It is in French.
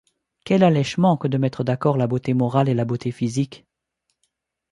Quel allèchement que de mettre d’accord la beauté morale et la beauté physique!